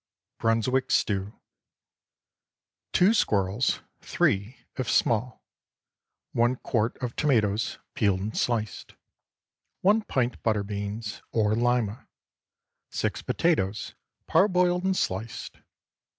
BRUNSWICK STEW. ✠ 2 squirrels—3, if small. 1 quart of tomatoes—peeled and sliced. 1 pint butter beans, or Lima. 6 potatoes—parboiled and sliced.